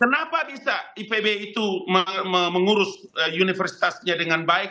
kenapa bisa ipb itu mengurus universitasnya dengan baik